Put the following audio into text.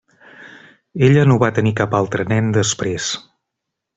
Ella no va tenir cap altre nen després.